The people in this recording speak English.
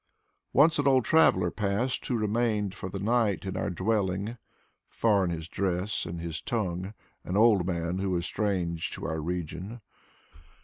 Once an old traveler passed who remained for the night in our dwelling, — (Foreign his dress and his tongue, an old man who was strange to our region.)